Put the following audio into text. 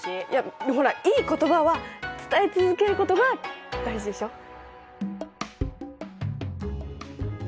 いやほらいい言葉は伝え続けることが大事でしょ。